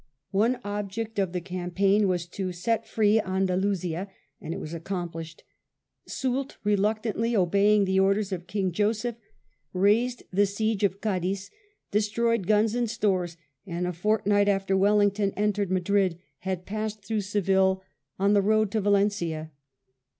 One object of the campaign was to set free Andalusia, and it was accomplished. Soultj reluctantly obeying the orders of King Joseph, raised the siege of Cadiz, destroyed guns and stores, and a fortnight after Wellington entered Madrid had passed through Seville on the road to I70 WELLINGTON chap. Valencia.